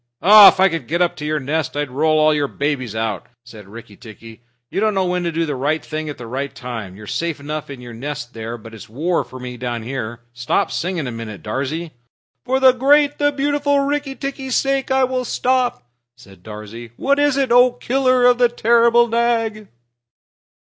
"If I could get up to your nest, I'd roll your babies out!" said Rikki tikki. "You don't know when to do the right thing at the right time. You're safe enough in your nest there, but it's war for me down here. Stop singing a minute, Darzee." "For the great, the beautiful Rikki tikki's sake I will stop," said Darzee. "What is it, O Killer of the terrible Nag?"